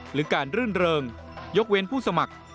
หรือการรื่นเริงยกเว้นผู้สมัคร